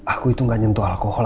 aku itu gak nyentuh alkohol